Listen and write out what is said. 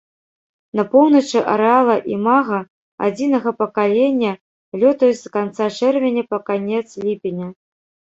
На поўначы арэала імага адзінага пакалення лётаюць з канца чэрвеня па канец ліпеня.